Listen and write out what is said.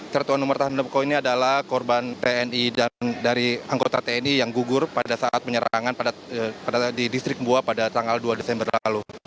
certuan nomor tahan doko ini adalah korban tni dan dari anggota tni yang gugur pada saat penyerangan di distrik mbua pada tanggal dua desember lalu